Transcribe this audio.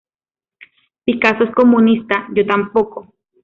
Picasso es comunista, yo tampoco".